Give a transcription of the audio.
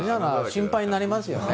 心配になりますよね。